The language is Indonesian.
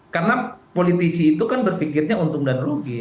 karena politisi itu kan berpikirnya untung dan rugi